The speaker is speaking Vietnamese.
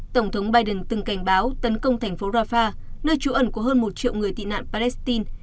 tổng thống biden từng cảnh báo tấn công thành phố rafah nơi trú ẩn của hơn một triệu người tị nạn palestine